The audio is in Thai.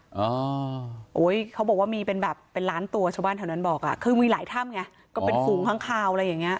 บินออกมาเขาบอกว่ามีร้านตัวชาวบ้านแถวนั้นบอกคือมีหลายถ้ำคือฝูงข้าง